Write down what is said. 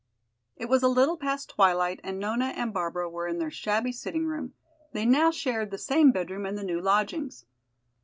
It was a little past twilight and Nona and Barbara were in their shabby sitting room; they now shared the same bedroom in the new lodgings.